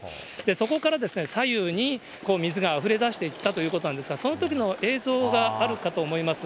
そこから左右に水があふれ出していったということなんですが、そのときの映像があるかと思います。